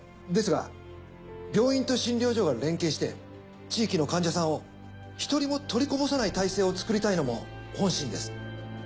ですが病院と診療所が連携して地域の患者さんを１人も取りこぼさない体制を作りたいのも本心です。